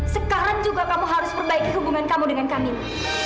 sekarang juga kamu harus perbaiki hubungan kamu dengan kami